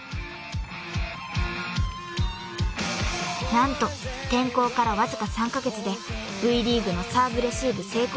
［何と転向からわずか３カ月でＶリーグのサーブレシーブ成功率